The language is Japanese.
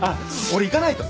俺行かないと。